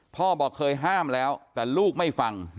พ่อบอกเคยห้ามแล้วแต่ลูกไม่ฟัง